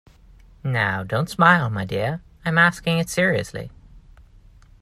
Now, don’t smile, my dear, I’m asking it seriously.